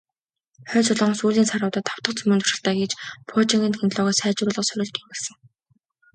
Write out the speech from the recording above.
Хойд Солонгос сүүлийн саруудад тав дахь цөмийн туршилтаа хийж, пуужингийн технологио сайжруулах сорилт явуулсан.